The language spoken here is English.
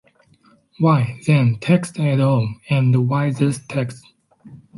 Why, then, texts at all, and why these texts?